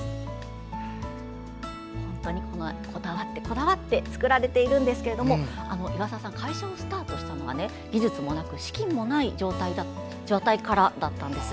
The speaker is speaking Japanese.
こだわってこだわって作られているんですが岩沢さん会社をスタートしたのは技術もなく資金もない状態からだったんです。